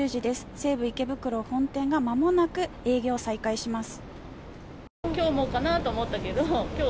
西武池袋本店がまもなく営業再開します。